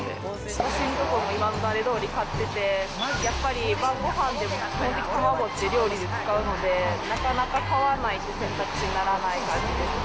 私のところも今までどおり買ってて、やっぱり晩ごはんでも基本的に卵、うち、料理で使うので、なかなか買わないって選択肢にならないですね。